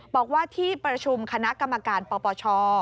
บอกว่าที่ประชุมคณะกรรมการปปช